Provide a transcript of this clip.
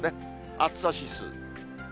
暑さ指数。